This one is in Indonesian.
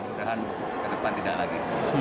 mudah mudahan ke depan tidak lagi